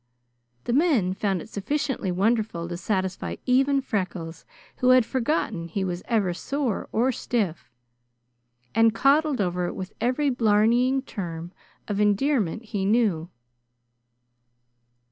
The men found it sufficiently wonderful to satisfy even Freckles, who had forgotten he was ever sore or stiff, and coddled over it with every blarneying term of endearment he knew.